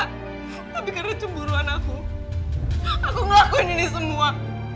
tapi karena cemburuan aku aku ngelakuin ini semua